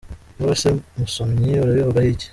Wowe se musomyi urabivugaho iki ?